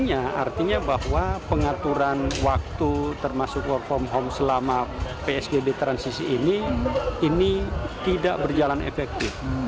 artinya bahwa pengaturan waktu termasuk work from home selama psbb transisi ini ini tidak berjalan efektif